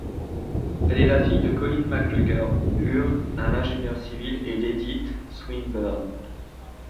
Elle est la fille de Colin McGregor Ure, un ingénieur civil et d'Edith Swinburne.